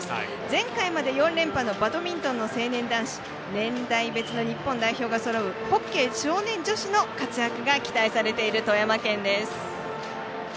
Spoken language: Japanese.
前回まで４連覇のバドミントンの成年男子年代別の日本代表がそろうホッケー少年女子の活躍が期待されている富山県です。